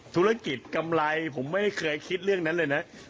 ธุรกิจกำไรผมไม่เคยคิดเรื่องนั้นเลยนะ